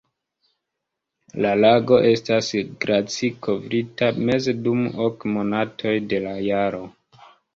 La lago estas glaci-kovrita meze dum ok monatoj de la jaro.